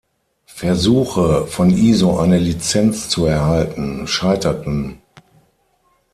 Versuche, von Iso eine Lizenz zu erhalten, scheiterten.